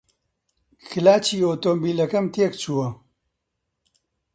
کلاجی ئۆتۆمبیلەکەم تێکچووە